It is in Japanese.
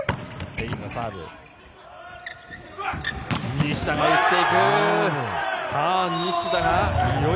西田が打っていく！